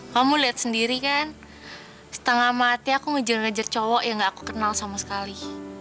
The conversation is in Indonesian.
kamu liat sendiri kan setengah mati aku ngejalan jalan jatuh cowok yang nggak aku kenal sama sekali